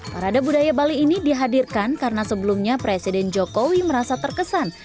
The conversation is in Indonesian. parade budaya bali ini dihadirkan karena sebelumnya presiden jokowi merasa terkesan